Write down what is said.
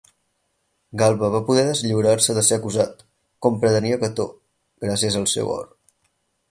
Galba va poder deslliurar-se de ser acusat, com pretenia Cató, gràcies al seu or.